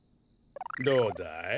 どうだい？